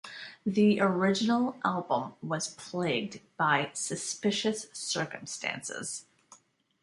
The original album was plagued by suspicious circumstances.